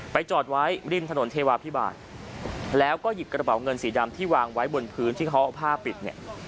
จอดไว้ริมถนนเทวาพิบาลแล้วก็หยิบกระเป๋าเงินสีดำที่วางไว้บนพื้นที่เขาเอาผ้าปิดเนี่ย